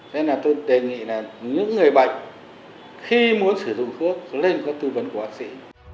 nên tôi đề nghị những người bệnh khi muốn sử dụng thuốc lên có tư vấn của bác sĩ